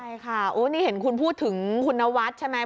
ใช่ค่ะโอ้นี่เห็นคุณพูดถึงคุณนวัดใช่ไหม